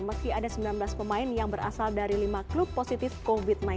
meski ada sembilan belas pemain yang berasal dari lima klub positif covid sembilan belas